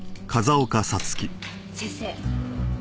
先生。